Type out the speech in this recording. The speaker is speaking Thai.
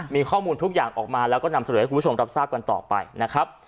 มีข้อมูลทุกอย่างออกมาแล้วก็นำเสนอให้คุณผู้ชมรับทราบกันต่อไปนะครับ